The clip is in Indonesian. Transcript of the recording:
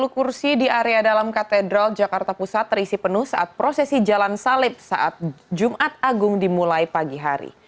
sepuluh kursi di area dalam katedral jakarta pusat terisi penuh saat prosesi jalan salib saat jumat agung dimulai pagi hari